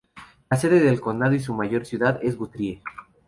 La sede del condado y su mayor ciudad es Guthrie.